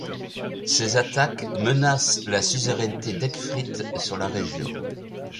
Ces attaques menacent la suzeraineté d'Ecgfrith sur la région.